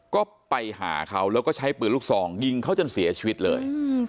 ก็ไปหาเขาแล้วก็ใช้ปืนลูกซองยิงเขาจนเสียชีวิตเลย